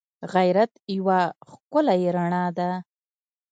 غیرت یوه ښکلی رڼا ده